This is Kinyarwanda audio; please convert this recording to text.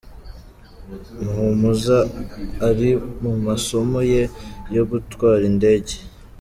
Muhumuza ari mu masomo ye yo gutwara indege.